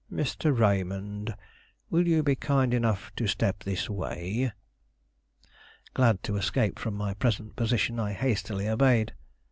"Mr. Raymond, will you be kind enough to step this way?" Glad to escape from my present position, I hastily obeyed.